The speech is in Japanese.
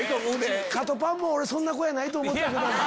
カトパンもそんな子やないと思ってたけど。